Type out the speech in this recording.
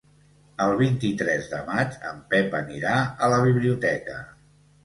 El vint-i-tres de maig en Pep anirà a la biblioteca.